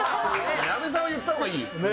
矢部さんは言ったほうがいい。